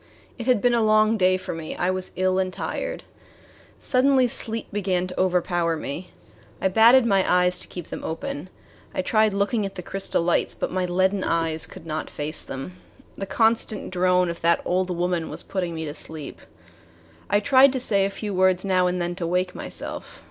It had been a long day for me. I was ill and tired. Suddenly sleep began to overpower me. I batted my eyes to keep them open. I tried looking at the crystal lights, but my leaden eyes could not face them. The constant drone of that old woman was putting me to sleep. I tried to say a few words now and then to wake myself.